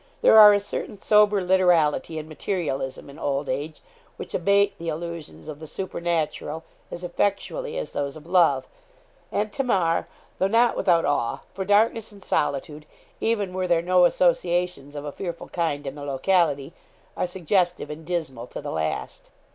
There are a certain sober literality and materialism in old age which abate the illusions of the supernatural as effectually as those of love; and Tamar, though not without awe, for darkness and solitude, even were there no associations of a fearful kind in the locality, are suggestive and dismal to the last.